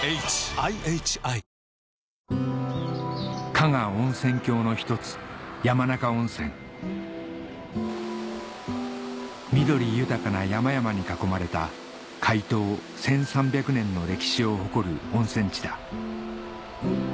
加賀温泉郷の一つ山中温泉緑豊かな山々に囲まれた開湯１３００年の歴史を誇る温泉地だ